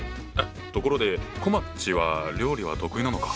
ところでこまっちは料理は得意なのか？